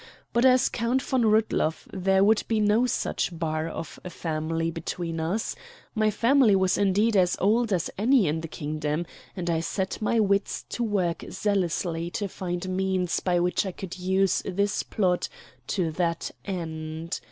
But as Count von Rudloff there would be no such bar of family between us; my family was indeed as old as any in the kingdom, and I set my wits to work zealously to find means by which I could use this plot to that end.